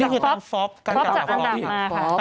นี่คือตามฟอร์ฟการจัดอันดับฟอร์ฟฟอร์ฟจากอันดับมาค่ะ